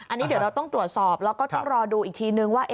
อันนี้เดี๋ยวเราต้องตรวจสอบแล้วก็ต้องรอดูอีกทีนึงว่า